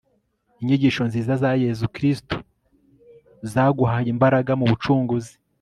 inyigisho nziza za yezu kristu, zaguhaye imbaraga mu bucunguzi